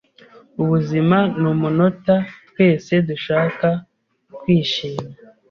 Ubuzima numunota twese dushaka kwishima.